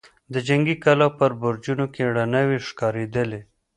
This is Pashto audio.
د جنګي کلا په برجونو کې رڼاوې ښکارېدلې.